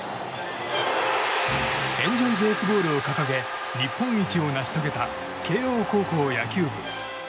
エンジョイベースボールを掲げ日本一を成し遂げた慶応高校野球部。